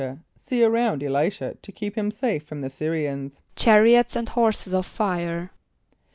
a] see around [+E] l[=i]´sh[.a] to keep him safe from the S[)y]r´[)i] an[s+]? =Chariots and horses of fire.